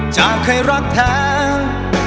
จะเอาใครรักแทบ